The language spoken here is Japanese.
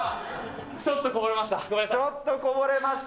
ちょっとこぼれました。